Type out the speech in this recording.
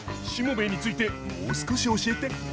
しもべえについてもう少し教えて。